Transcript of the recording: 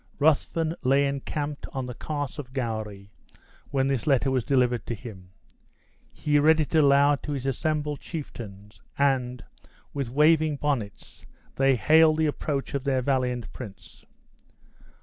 Ruthven lay encamped on the Carse of Gowrie when this letter was delivered to him. He read it aloud to his assembled chieftains, and, with waving bonnets, they hailed the approach of their valiant prince.